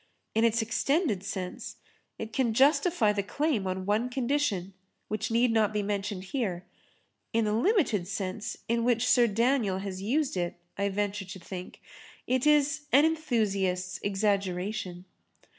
In its extended sense it can justify the claim on one condition which need not be mentioned here; in the limited sense in which Sir Daniel has used it, I venture to think, it is an enthusiast's exaggeration.